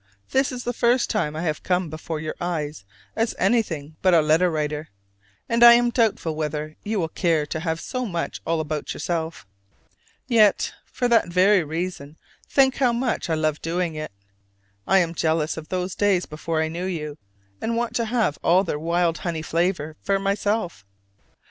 This is the first time I have come before your eyes as anything but a letter writer, and I am doubtful whether you will care to have so much all about yourself. Yet for that very reason think how much I loved doing it! I am jealous of those days before I knew you, and want to have all their wild honey flavor for myself.